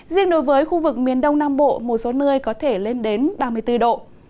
riêng đối với khu vực miền đông nam bộ một số nơi có thể lên đến ba mươi bốn độ